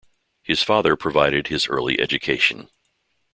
His father provided his early education.